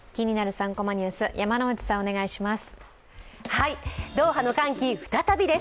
３コマニュース」、山内さん、お願いします。